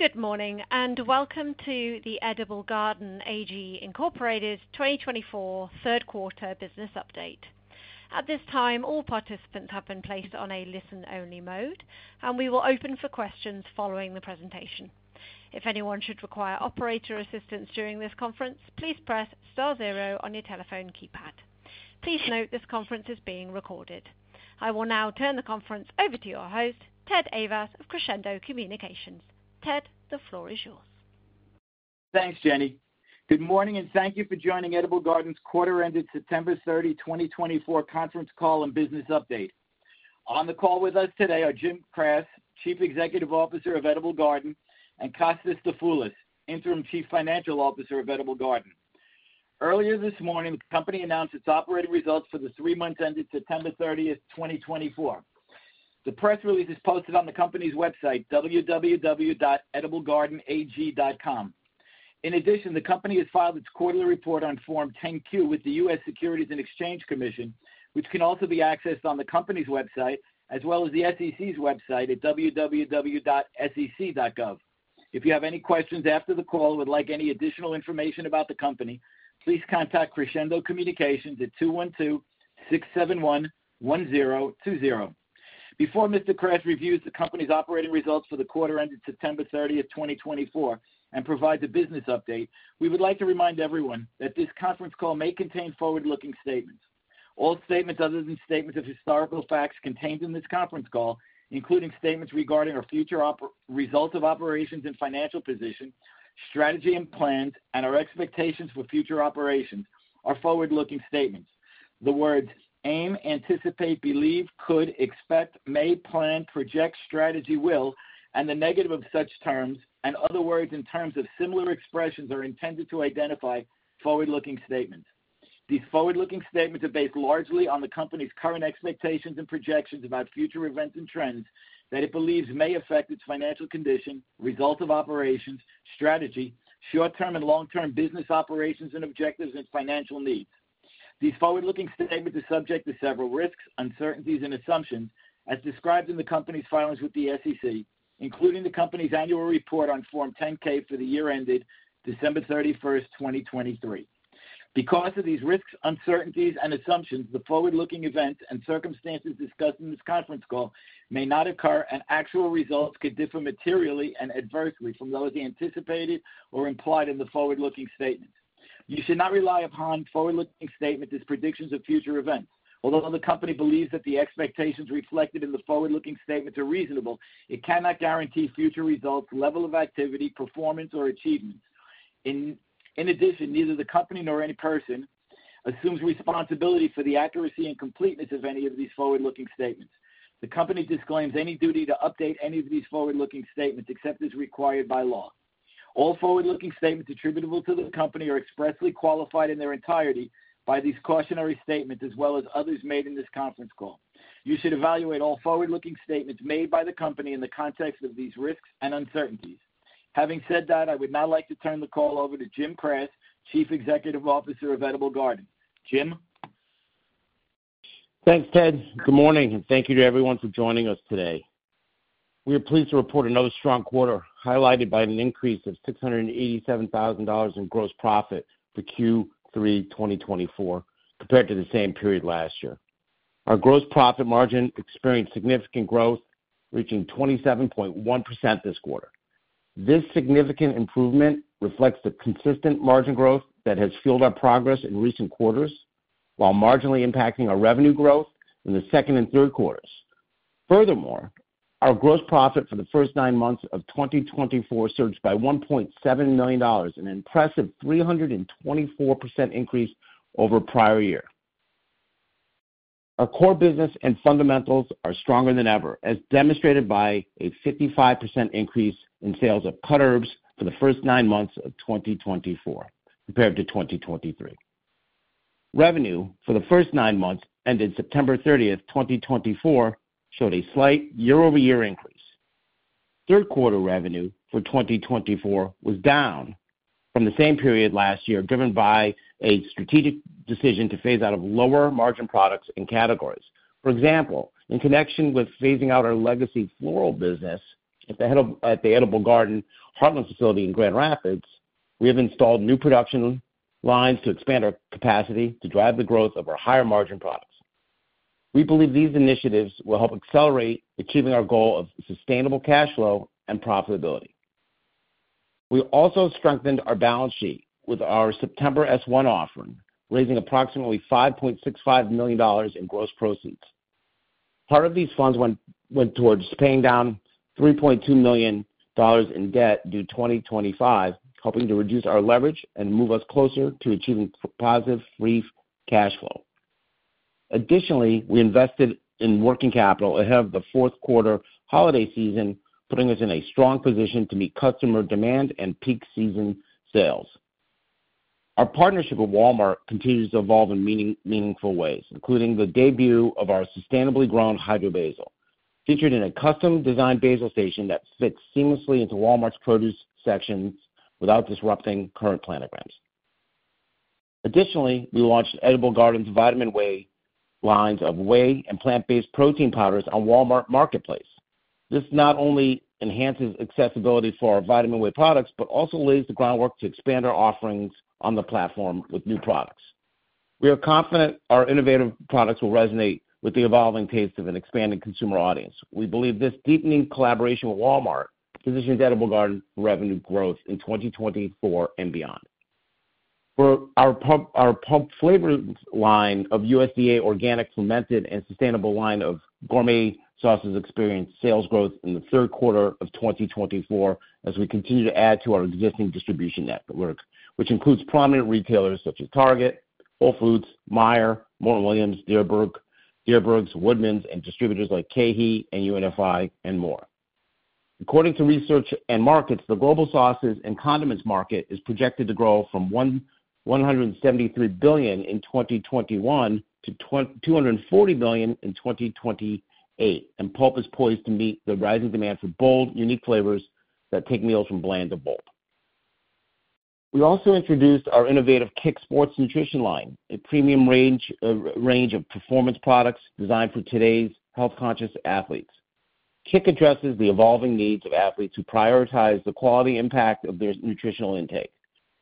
Good morning and welcome to the Edible Garden AG Incorporated's 2024 third quarter business update. At this time, all participants have been placed on a listen-only mode, and we will open for questions following the presentation. If anyone should require operator assistance during this conference, please press star zero on your telephone keypad. Please note this conference is being recorded. I will now turn the conference over to your host, Ted Ayvas of Crescendo Communications. Ted, the floor is yours. Thanks, Jenny. Good morning and thank you for joining Edible Garden's quarter-ended September 30, 2024 conference call and business update. On the call with us today are Jim Kras, Chief Executive Officer of Edible Garden, and Kostas Dafoulas, Interim Chief Financial Officer of Edible Garden. Earlier this morning, the company announced its operating results for the three months ended September 30, 2024. The press release is posted on the company's website, www.ediblegardenag.com. In addition, the company has filed its quarterly report on Form 10-Q with the U.S. Securities and Exchange Commission, which can also be accessed on the company's website as well as the SEC's website at www.sec.gov. If you have any questions after the call or would like any additional information about the company, please contact Crescendo Communications at 212-671-1020. Before Mr. Kras reviews the company's operating results for the quarter-ended September 30, 2024, and provides a business update. We would like to remind everyone that this conference call may contain forward-looking statements. All statements other than statements of historical facts contained in this conference call, including statements regarding our future results of operations and financial position, strategy and plans, and our expectations for future operations, are forward-looking statements. The words aim, anticipate, believe, could, expect, may, plan, project, strategy, will, and the negative of such terms, and other words in terms of similar expressions, are intended to identify forward-looking statements. These forward-looking statements are based largely on the company's current expectations and projections about future events and trends that it believes may affect its financial condition, results of operations, strategy, short-term and long-term business operations and objectives, and financial needs. These forward-looking statements are subject to several risks, uncertainties, and assumptions, as described in the company's filings with the SEC, including the company's annual report on Form 10-K for the year ended December 31, 2023. Because of these risks, uncertainties, and assumptions, the forward-looking events and circumstances discussed in this conference call may not occur, and actual results could differ materially and adversely from those anticipated or implied in the forward-looking statements. You should not rely upon forward-looking statements as predictions of future events. Although the company believes that the expectations reflected in the forward-looking statements are reasonable, it cannot guarantee future results, level of activity, performance, or achievements. In addition, neither the company nor any person assumes responsibility for the accuracy and completeness of any of these forward-looking statements. The company disclaims any duty to update any of these forward-looking statements except as required by law. All forward-looking statements attributable to the company are expressly qualified in their entirety by these cautionary statements as well as others made in this conference call. You should evaluate all forward-looking statements made by the company in the context of these risks and uncertainties. Having said that, I would now like to turn the call over to Jim Kras, Chief Executive Officer of Edible Garden. Jim? Thanks, Ted. Good morning and thank you to everyone for joining us today. We are pleased to report a robust quarter highlighted by an increase of $687,000 in gross profit for Q3, 2024, compared to the same period last year. Our gross profit margin experienced significant growth, reaching 27.1% this quarter. This significant improvement reflects the consistent margin growth that has fueled our progress in recent quarters, while marginally impacting our revenue growth in the second and third quarters. Furthermore, our gross profit for the first nine months of 2024 surged by $1.7 million, an impressive 324% increase over prior year. Our core business and fundamentals are stronger than ever, as demonstrated by a 55% increase in sales of cut herbs for the first nine months of 2024 compared to 2023. Revenue for the first nine months ended September 30, 2024, showed a slight year-over-year increase. Third quarter revenue for 2024 was down from the same period last year, driven by a strategic decision to phase out of lower margin products and categories. For example, in connection with phasing out our legacy floral business at the Edible Garden Heartland facility in Grand Rapids, we have installed new production lines to expand our capacity to drive the growth of our higher margin products. We believe these initiatives will help accelerate achieving our goal of sustainable cash flow and profitability. We also strengthened our balance sheet with our September S-1 offering, raising approximately $5.65 million in gross proceeds. Part of these funds went towards paying down $3.2 million in debt due 2025, helping to reduce our leverage and move us closer to achieving positive free cash flow. Additionally, we invested in working capital ahead of the fourth quarter holiday season, putting us in a strong position to meet customer demand and peak season sales. Our partnership with Walmart continues to evolve in meaningful ways, including the debut of our sustainably grown Hydro Basil, featured in a custom-designed basil station that fits seamlessly into Walmart's produce sections without disrupting current planograms. Additionally, we launched Edible Garden's Vitamin Whey lines of whey and plant-based protein powders on Walmart Marketplace. This not only enhances accessibility for our Vitamin Whey products, but also lays the groundwork to expand our offerings on the platform with new products. We are confident our innovative products will resonate with the evolving tastes of an expanding consumer audience. We believe this deepening collaboration with Walmart positions Edible Garden revenue growth in 2024 and beyond. For our Pulp flavor line of USDA organic fermented and sustainable line of gourmet sauces experienced sales growth in the third quarter of 2024 as we continue to add to our existing distribution network, which includes prominent retailers such as Target, Whole Foods, Meijer, Morton Williams, Dierbergs, Woodman's, and distributors like KeHE and UNFI, and more. According to Research and Markets, the global sauces and condiments market is projected to grow from $173 billion in 2021 to $240 billion in 2028, and Pulp is poised to meet the rising demand for bold, unique flavors that take meals from bland to bold. We also introduced our innovative KICK Sports Nutrition line, a premium range of performance products designed for today's health-conscious athletes. KICK addresses the evolving needs of athletes who prioritize the quality impact of their nutritional intake.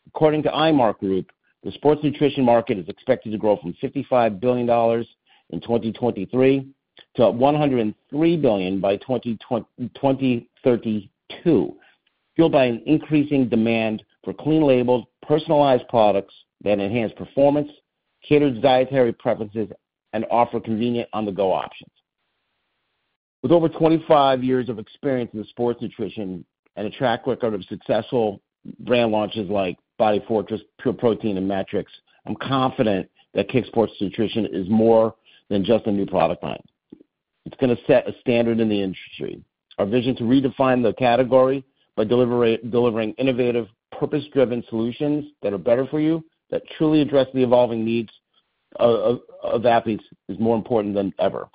According to IMARC Group, the sports nutrition market is expected to grow from $55 billion in 2023 to $103 billion by 2032, fueled by an increasing demand for clean-labeled, personalized products that enhance performance, cater to dietary preferences, and offer convenient on-the-go options. With over 25 years of experience in sports nutrition and a track record of successful brand launches like Body Fortress, Pure Protein, and MET-Rx, I'm confident that KICK Sports Nutrition is more than just a new product line. It's going to set a standard in the industry. Our vision to redefine the category by delivering innovative, purpose-driven solutions that are better for you, that truly address the evolving needs of athletes, is more important than ever.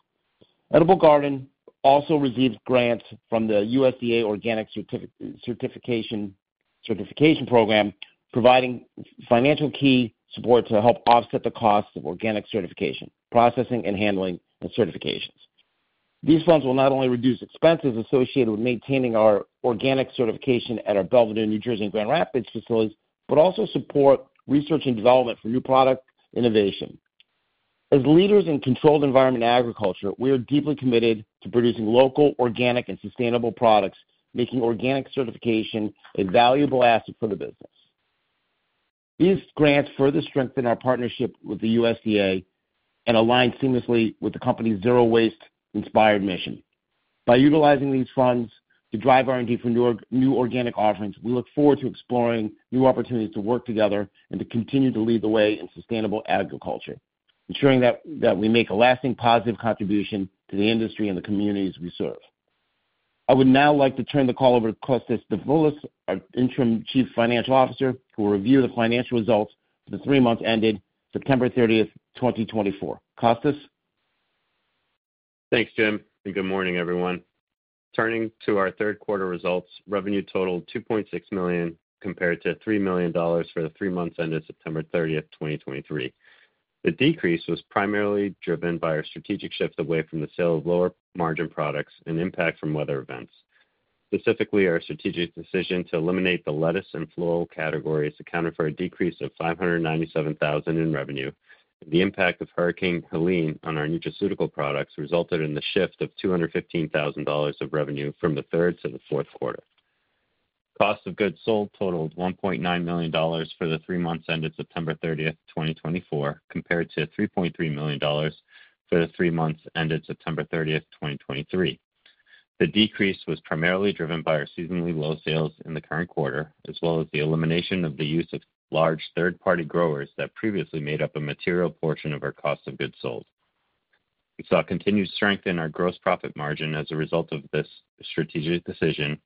Edible Garden also receives grants from the USDA Organic Certification Program, providing financial key support to help offset the costs of organic certification, processing, and handling of certifications. These funds will not only reduce expenses associated with maintaining our organic certification at our Belvidere, New Jersey, and Grand Rapids facilities, but also support research and development for new product innovation. As leaders in controlled environment agriculture, we are deeply committed to producing local, organic, and sustainable products, making organic certification a valuable asset for the business. These grants further strengthen our partnership with the USDA and align seamlessly with the company's zero-waste-inspired mission. By utilizing these funds to drive R&D for new organic offerings, we look forward to exploring new opportunities to work together and to continue to lead the way in sustainable agriculture, ensuring that we make a lasting, positive contribution to the industry and the communities we serve. I would now like to turn the call over to Kostas Dafoulas, our Interim Chief Financial Officer, who will review the financial results for the three months ended September 30, 2024. Kostas? Thanks, Jim. Good morning, everyone. Turning to our third quarter results, revenue totaled $2.6 million compared to $3 million for the three months ended September 30, 2023. The decrease was primarily driven by our strategic shift away from the sale of lower margin products and impact from weather events. Specifically, our strategic decision to eliminate the lettuce and floral categories accounted for a decrease of $597,000 in revenue. The impact of Hurricane Helene on our nutraceutical products resulted in the shift of $215,000 of revenue from the third to the fourth quarter. Cost of goods sold totaled $1.9 million for the three months ended September 30, 2024, compared to $3.3 million for the three months ended September 30, 2023. The decrease was primarily driven by our seasonally low sales in the current quarter, as well as the elimination of the use of large third-party growers that previously made up a material portion of our cost of goods sold. We saw continued strength in our Gross Profit Margin as a result of this strategic decision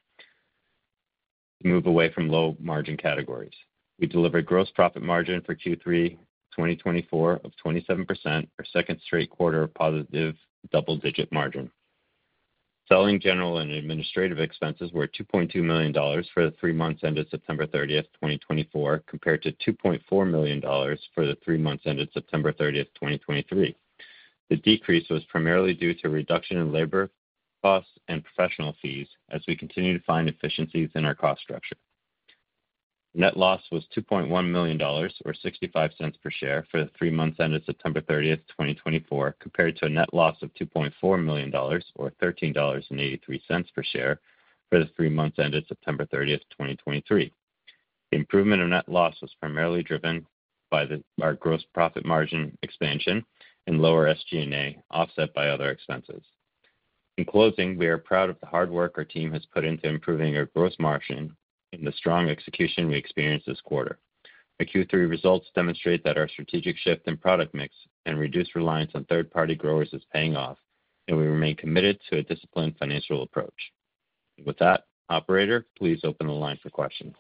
to move away from low margin categories. We delivered Gross Profit Margin for Q3 2024 of 27%, our second straight quarter of positive double-digit margin. selling, general, and administrative expenses were $2.2 million for the three months ended September 30, 2024, compared to $2.4 million for the three months ended September 30, 2023. The decrease was primarily due to a reduction in labor costs and professional fees as we continue to find efficiencies in our cost structure. Net loss was $2.1 million, or $0.65 per share, for the three months ended September 30, 2024, compared to a net loss of $2.4 million, or $13.83 per share, for the three months ended September 30, 2023. The improvement in net loss was primarily driven by our gross profit margin expansion and lower SG&A offset by other expenses. In closing, we are proud of the hard work our team has put into improving our gross margin and the strong execution we experienced this quarter. Our Q3 results demonstrate that our strategic shift in product mix and reduced reliance on third-party growers is paying off, and we remain committed to a disciplined financial approach. With that, operator, please open the line for questions.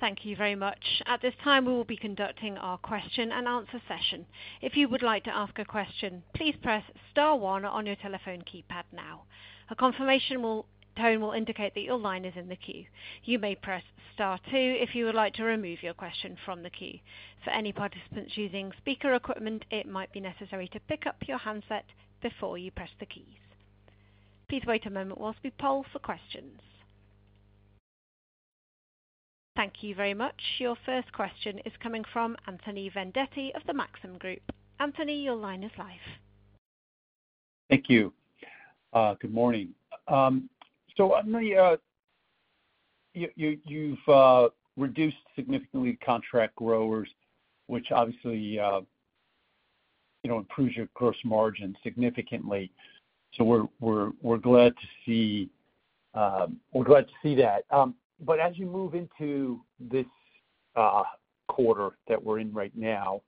Thank you very much. At this time, we will be conducting our question-and-answer session. If you would like to ask a question, please press Star 1 on your telephone keypad now. A confirmation tone will indicate that your line is in the queue. You may press Star 2 if you would like to remove your question from the queue. For any participants using speaker equipment, it might be necessary to pick up your handset before you press the keys. Please wait a moment while we poll for questions. Thank you very much. Your first question is coming from Anthony Vendetti of the Maxim Group. Anthony, your line is live. Thank you. Good morning. So you've reduced significantly contract growers, which obviously improves your gross margin significantly. So we're glad to see we're glad to see that. But as you move into this quarter that we're in right now,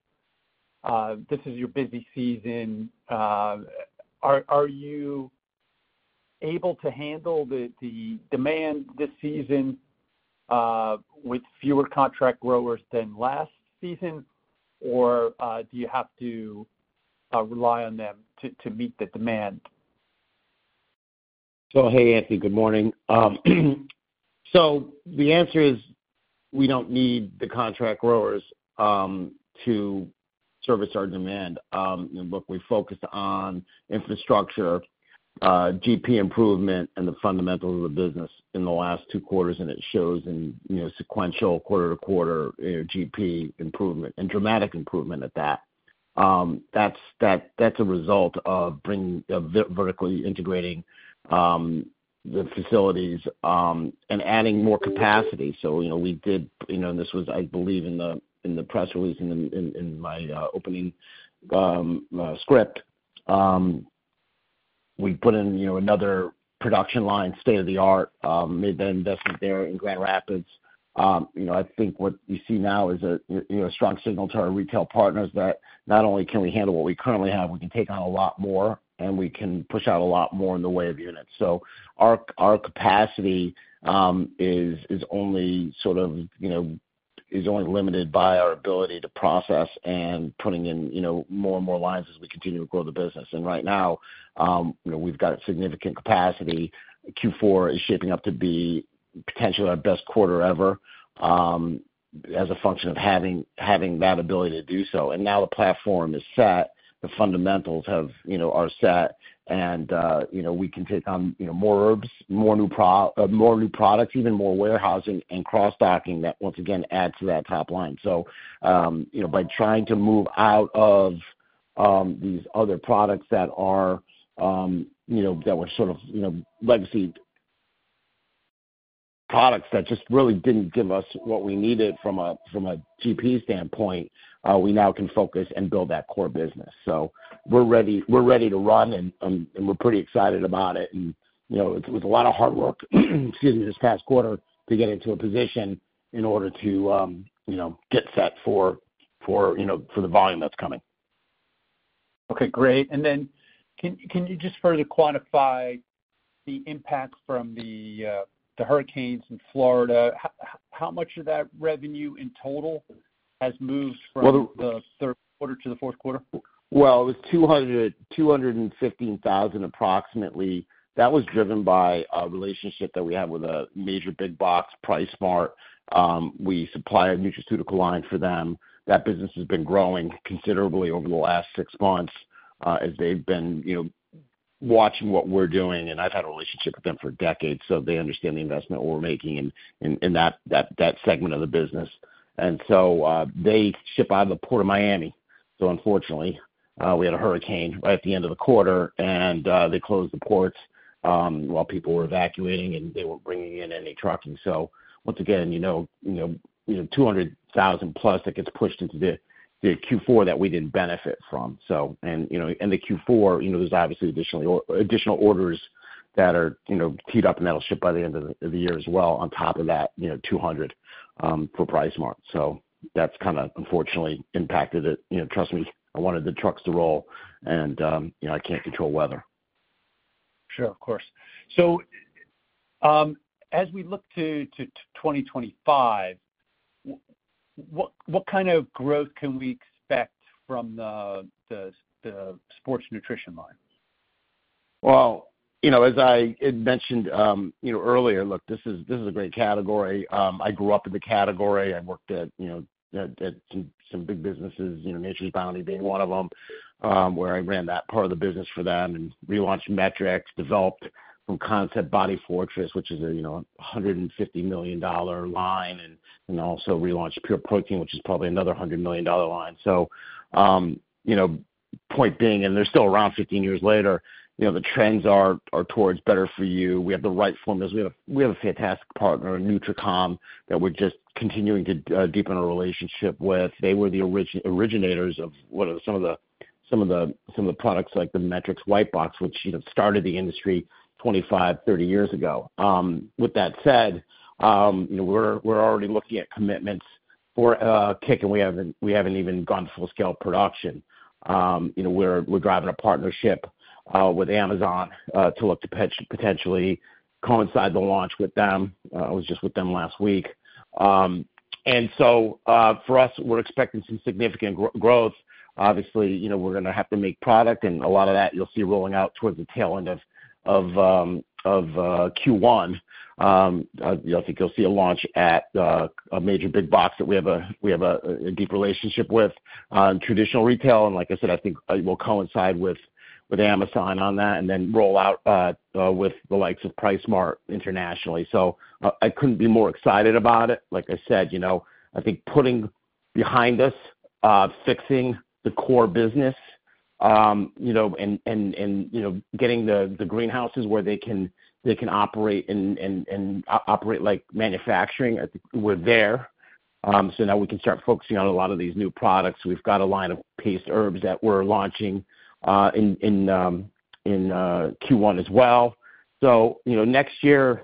this is your busy season. Are you able to handle the demand this season with fewer contract growers than last season, or do you have to rely on them to meet the demand? So, hey, Anthony, good morning. So the answer is we don't need the contract growers to service our demand. Look, we focused on infrastructure, GP improvement, and the fundamentals of the business in the last two quarters, and it shows in sequential quarter-to-quarter GP improvement and dramatic improvement at that. That's a result of vertically integrating the facilities and adding more capacity. So we did, and this was, I believe, in the press release in my opening script. We put in another production line, state-of-the-art, made that investment there in Grand Rapids. I think what you see now is a strong signal to our retail partners that not only can we handle what we currently have, we can take on a lot more, and we can push out a lot more in the way of units. So our capacity is only sort of limited by our ability to process and putting in more and more lines as we continue to grow the business. Right now, we've got significant capacity. Q4 is shaping up to be potentially our best quarter ever as a function of having that ability to do so. Now the platform is set. The fundamentals are set, and we can take on more herbs, more new products, even more warehousing and cross-docking that, once again, adds to that top line. By trying to move out of these other products that were sort of legacy products that just really didn't give us what we needed from a GP standpoint, we now can focus and build that core business. We're ready to run, and we're pretty excited about it. It was a lot of hard work, excuse me, this past quarter to get into a position in order to get set for the volume that's coming. Okay. Great. And then can you just further quantify the impact from the hurricanes in Florida? How much of that revenue in total has moved from the third quarter to the fourth quarter? It was $215,000 approximately. That was driven by a relationship that we have with a major big box, PriceSmart. We supply a nutraceutical line for them. That business has been growing considerably over the last six months as they've been watching what we're doing, and I've had a relationship with them for decades, so they understand the investment we're making in that segment of the business, and so they ship out of the port of Miami. Unfortunately, we had a hurricane right at the end of the quarter, and they closed the ports while people were evacuating, and they weren't bringing in any trucking. Once again, $200,000-plus that gets pushed into the Q4 that we didn't benefit from, and in the Q4, there's obviously additional orders that are teed up, and that'll ship by the end of the year as well. On top of that, $200 for PriceSmart. So that's kind of, unfortunately, impacted it. Trust me, I wanted the trucks to roll, and I can't control weather. Sure. Of course, so as we look to 2025, what kind of growth can we expect from the sports nutrition line? As I had mentioned earlier, look, this is a great category. I grew up in the category. I worked at some big businesses, Nature's Bounty being one of them, where I ran that part of the business for them and relaunched MET-Rx, developed from concept Body Fortress, which is a $150 million line, and also relaunched Pure Protein, which is probably another $100 million line. So, point being, and they're still around 15 years later, the trends are towards better for you. We have the right formulas. We have a fantastic partner, Nutracom, that we're just continuing to deepen our relationship with. They were the originators of some of the products like the MET-Rx White Box, which started the industry 25, 30 years ago. With that said, we're already looking at commitments for KICK, and we haven't even gone to full-scale production. We're driving a partnership with Amazon to look to potentially coincide the launch with them. I was just with them last week. And so, for us, we're expecting some significant growth. Obviously, we're going to have to make product, and a lot of that you'll see rolling out towards the tail end of Q1. I think you'll see a launch at a major big box that we have a deep relationship with in traditional retail. And like I said, I think we'll coincide with Amazon on that and then roll out with the likes of PriceSmart internationally. So I couldn't be more excited about it. Like I said, I think putting behind us, fixing the core business, and getting the greenhouses where they can operate and operate like manufacturing, I think we're there. So now we can start focusing on a lot of these new products. We've got a line of paste herbs that we're launching in Q1 as well, so next year,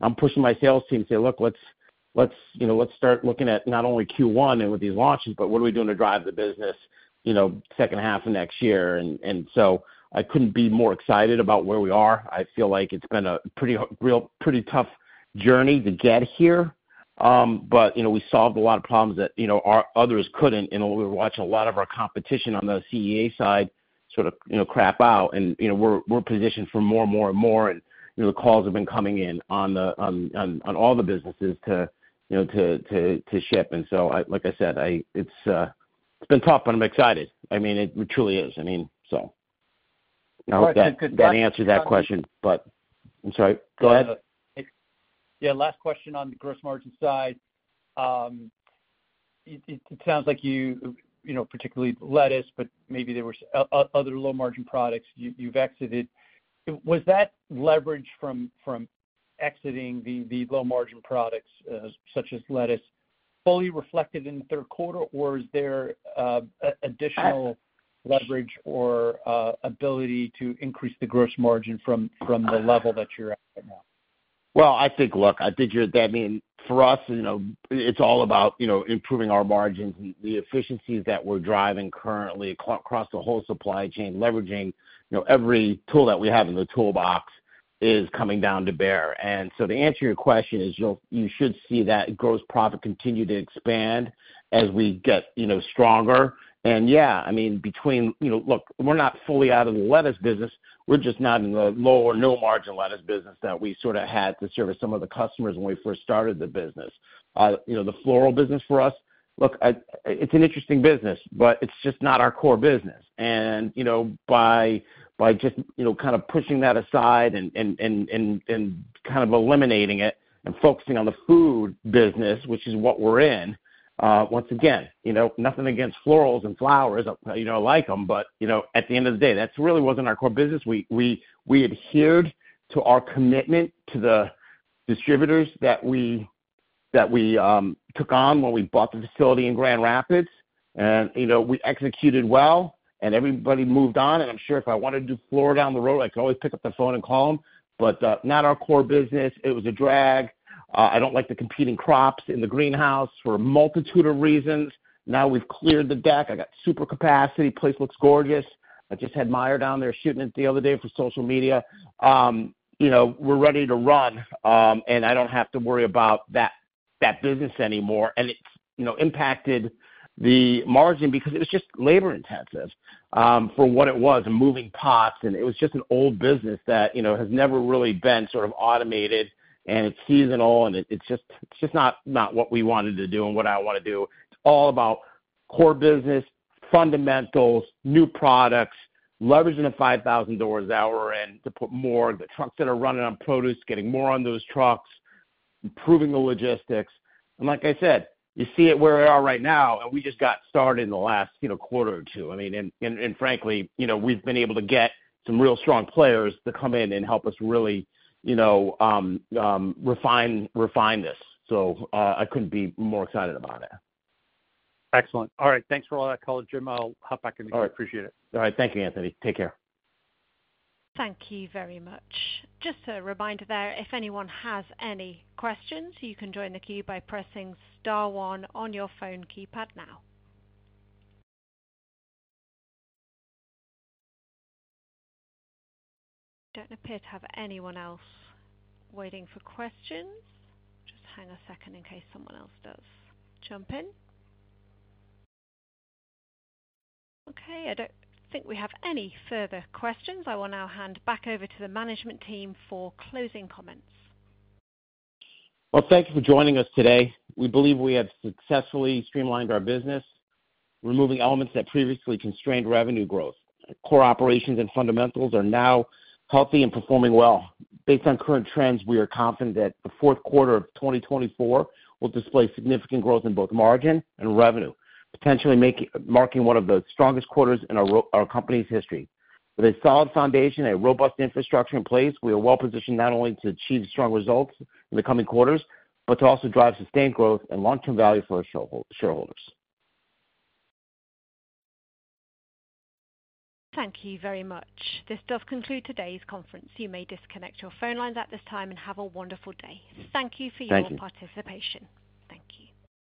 I'm pushing my sales team to say, "Look, let's start looking at not only Q1 and with these launches, but what are we doing to drive the business second half of next year?" And so I couldn't be more excited about where we are. I feel like it's been a pretty tough journey to get here, but we solved a lot of problems that others couldn't, and we were watching a lot of our competition on the CEA side sort of crap out, and we're positioned for more and more and more. And the calls have been coming in on all the businesses to ship, and so, like I said, it's been tough, but I'm excited. I mean, it truly is. I mean, so I hope that answers that question, but I'm sorry. Go ahead. Yeah. Last question on the gross margin side. It sounds like you've particularly exited lettuce, but maybe there were other low-margin products you've exited. Was that leverage from exiting the low-margin products such as lettuce fully reflected in the third quarter, or is there additional leverage or ability to increase the gross margin from the level that you're at right now? Well, I think, look, I think you're—I mean, for us, it's all about improving our margins. The efficiencies that we're driving currently across the whole supply chain, leveraging every tool that we have in the toolbox, is coming to bear. And so to answer your question, you should see that gross profit continue to expand as we get stronger. And yeah, I mean, look, we're not fully out of the lettuce business. We're just not in the low or no-margin lettuce business that we sort of had to service some of the customers when we first started the business. The floral business for us, look, it's an interesting business, but it's just not our core business. And by just kind of pushing that aside and kind of eliminating it and focusing on the food business, which is what we're in, once again, nothing against florals and flowers. I like them, but at the end of the day, that really wasn't our core business. We adhered to our commitment to the distributors that we took on when we bought the facility in Grand Rapids, and we executed well, and everybody moved on, and I'm sure if I wanted to do floral down the road, I could always pick up the phone and call them, but not our core business. It was a drag. I don't like the competing crops in the greenhouse for a multitude of reasons. Now we've cleared the deck. I got super capacity. The place looks gorgeous. I just had Meijer down there shooting it the other day for social media. We're ready to run, and I don't have to worry about that business anymore, and it's impacted the margin because it was just labor-intensive for what it was, moving pots. It was just an old business that has never really been sort of automated, and it's seasonal, and it's just not what we wanted to do and what I want to do. It's all about core business, fundamentals, new products, leveraging the $5,000 an hour and to put more of the trucks that are running on produce, getting more on those trucks, improving the logistics. Like I said, you see it where we are right now, and we just got started in the last quarter or two. I mean, frankly, we've been able to get some real strong players to come in and help us really refine this. I couldn't be more excited about it. Excellent. All right. Thanks for all that, Colin, Jim. I'll hop back in the queue. I appreciate it. All right. Thank you, Anthony. Take care. Thank you very much. Just a reminder there, if anyone has any questions, you can join the queue by pressing Star 1 on your phone keypad now. Don't appear to have anyone else waiting for questions. Just hang a second in case someone else does jump in. Okay. I don't think we have any further questions. I will now hand back over to the management team for closing comments. Thank you for joining us today. We believe we have successfully streamlined our business, removing elements that previously constrained revenue growth. Core operations and fundamentals are now healthy and performing well. Based on current trends, we are confident that the fourth quarter of 2024 will display significant growth in both margin and revenue, potentially marking one of the strongest quarters in our company's history. With a solid foundation and a robust infrastructure in place, we are well positioned not only to achieve strong results in the coming quarters, but to also drive sustained growth and long-term value for our shareholders. Thank you very much. This does conclude today's conference. You may disconnect your phone lines at this time and have a wonderful day. Thank you for your participation. Thank you. Thank you.